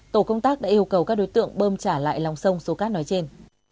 tổ công tác đã yêu cầu các đối tượng bơm trả lại lòng sông số cát nói trên